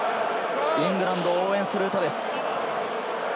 イングランドを応援する歌です。